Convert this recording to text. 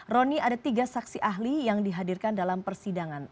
roni ada tiga saksi ahli yang dihadirkan dalam persidangan